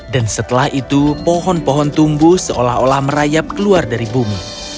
dan setelah itu pohon pohon tumbuh seolah olah merayap keluar dari bumi